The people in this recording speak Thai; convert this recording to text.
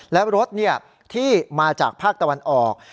และรถที่มาจากภาคตะวันออก